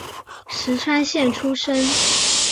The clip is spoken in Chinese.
石川县出身。